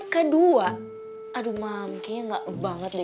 kedua aduh ma kayaknya gak banget deh